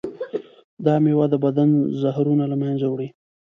دا میوه د بدن زهرونه له منځه وړي.